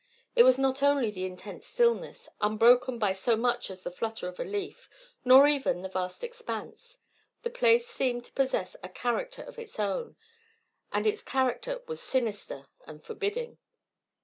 It was not only the intense stillness, unbroken by so much as the flutter of a leaf, nor even the vast expanse. The place seemed to possess a character of its own, and its character was sinister and forbidding.